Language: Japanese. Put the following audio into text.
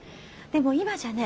でも今じゃね